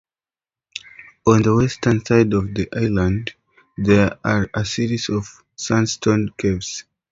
On the western side of the island there are a series of sandstone caves.